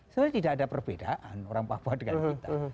sebenarnya tidak ada perbedaan orang papua dengan kita